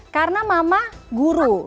karena mama guru